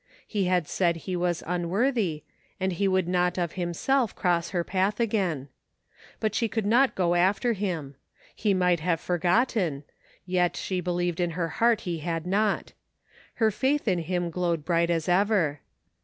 He had said he was unworthy, and he would not of himself cross her path again. But she could not go after him. He might have forgotten, yet 252 THE FINDING OF JASPER HOLT she believed in her heart he had not Her faith in him glowed bright as ever.